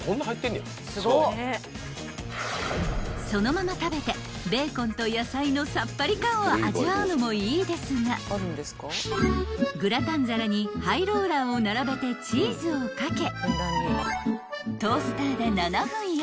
［そのまま食べてベーコンと野菜のさっぱり感を味わうのもいいですがグラタン皿にハイローラーを並べてチーズを掛け］